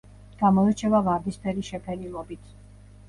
გამოირჩევა ვარდისფერი შეფერილობით.